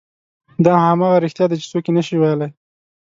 دا همغه رښتیا دي چې څوک یې نه شي ویلی.